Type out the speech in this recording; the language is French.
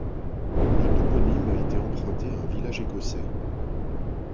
Le toponyme a été emprunté à un village écossais.